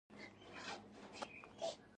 زه سابه هره ورځ خورم